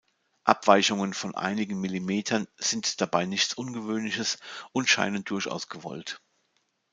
Abweichungen von einigen Millimetern sind dabei nichts Ungewöhnliches und scheinen durchaus gewollt.